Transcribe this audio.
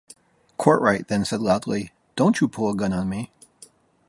Courtright then said loudly Don't you pull a gun on me.